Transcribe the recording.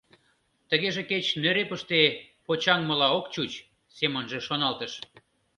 «Тыгеже кеч нӧрепыште почаҥмыла ок чуч», — семынже шоналтыш.